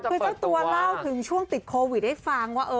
คือเจ้าตัวเล่าถึงช่วงติดโควิดให้ฟังว่า